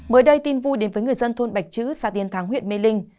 mới đây tin vui đến với người dân thôn bạch chữ xã tiên thắng huyện mê linh